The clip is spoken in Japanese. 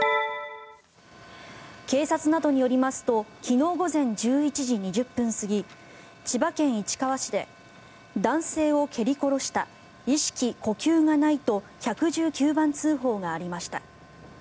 警察などによりますと昨日午前１１時２０分過ぎ千葉県市川市で男性を蹴り殺した意識・呼吸がないと１１９番通報がありました。